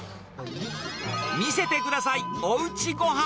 見せてください、おうちごはん。